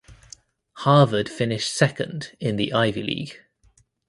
Harvard finished second in the Ivy League.